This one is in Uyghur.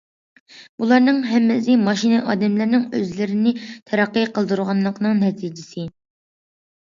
بۇلارنىڭ ھەممىسى ماشىنا ئادەملەرنىڭ ئۆزلىرىنى تەرەققىي قىلدۇرغانلىقىنىڭ نەتىجىسى.